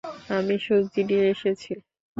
আমি সবজি নিয়ে এসেছি।